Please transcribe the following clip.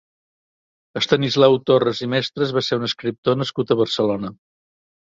Estanislau Torres i Mestres va ser un escriptor nascut a Barcelona.